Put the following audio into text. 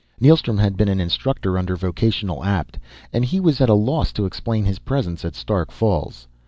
Neilstrom had been an instructor under Vocational Apt, and he was at a loss to explain his presence at Stark Falls.